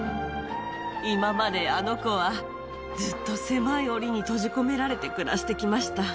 今まであの子はずっと狭いオリに閉じ込められて暮らして来ました。